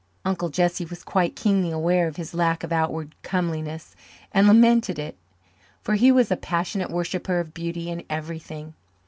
Uncle Jesse was quite keenly aware of his lack of outward comeliness and lamented it, for he was a passionate worshipper of beauty in everything.